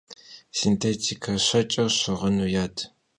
Sintêtike şeç'ır şığınu yad.